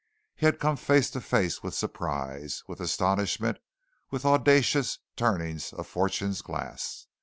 He had come face to face with surprise, with astonishment, with audacious turnings of Fortune's glass.